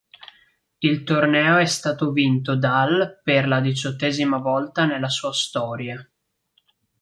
Il torneo è stato vinto dal per la diciottesima volta nella sua storia.